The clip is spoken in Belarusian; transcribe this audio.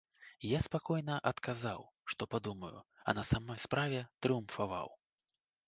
Я спакойна адказаў, што падумаю, а на самай справе трыумфаваў.